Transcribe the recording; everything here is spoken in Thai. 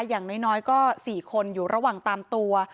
อย่างน้อยก็๔คนอยู่ระหว่างตามตัว